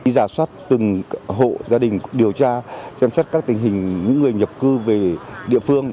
giả soát từng hộ gia đình điều tra xem xét các tình hình những người nhập cư về địa phương